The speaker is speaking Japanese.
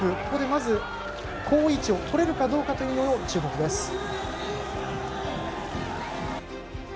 ここでまず好位置をとれるかどうかも注目です。